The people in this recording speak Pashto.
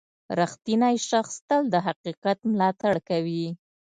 • رښتینی شخص تل د حقیقت ملاتړ کوي.